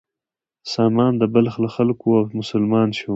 سامان د بلخ له خلکو و او مسلمان شو.